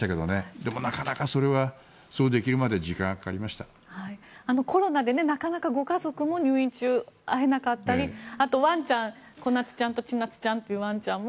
でも、なかなかそれはそうできるまではコロナでなかなかご家族も入院中、会えなかったりあとワンちゃんコナツちゃんとチナツちゃんというワンちゃんも。